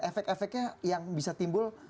efek efeknya yang bisa timbul